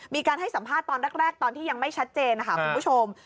มีการให้สัมภาษณ์ตอนแรกตอนที่ยังไม่ชัดเจนนะคะคุณผู้ชม